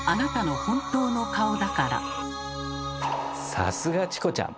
さすがチコちゃん！